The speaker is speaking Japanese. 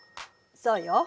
そうよ。